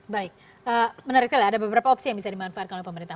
baik menarik sekali ada beberapa opsi yang bisa dimanfaatkan oleh pemerintah